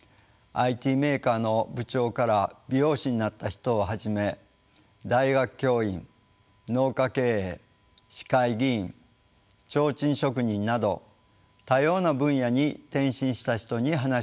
ＩＴメーカーの部長から美容師になった人をはじめ大学教員農家経営市会議員ちょうちん職人など多様な分野に転身した人に話を聞きました。